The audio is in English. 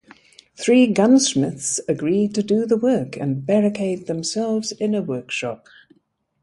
Three gunsmiths agree to do the work and barricade themselves in a workshop.